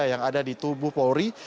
yang ada di tubuh polri